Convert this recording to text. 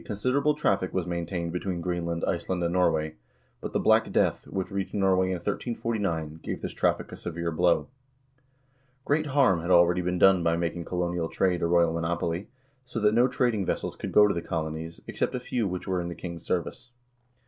202 HISTORY OF THE NORWEGIAN PEOPLE siderable traffic was maintained between Greenland, Iceland, and Norway, but the Black Death, which reached Norway in 1349, gave this traffic a severe blow. Great harm had already been done by making colonial trade a royal monopoly, so that no trading vessels could go to the colonies, except a few which were in the king's service.